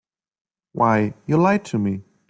Why, you lied to me.